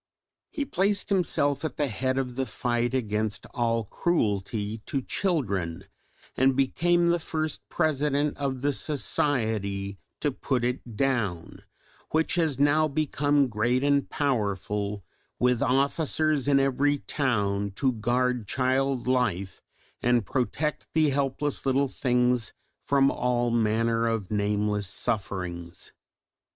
He placed himself at the head of the fight against all cruelty to children and became the first President of the Society to put it down, which has now become great and powerful with officers in every town to guard child life and protect the helpless little things from all manner of nameless sufferings.